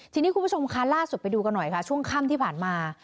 ทีนี้คุณผู้ชมคะล่าสุดไปดูกันหน่อยค่ะช่วงค่ำที่ผ่านมา